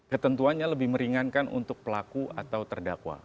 ketentuannya lebih meringankan untuk pelaku atau terdakwa